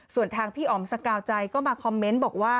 ส่วนทางพี่อ๋อมสกาวใจก็มาคอมเมนต์บอกว่า